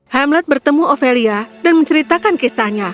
hamlet bertemu ovelia dan menceritakan kisahnya